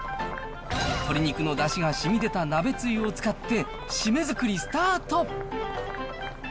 鶏肉のだしがしみでた鍋つゆを使って、シメ作りスタート。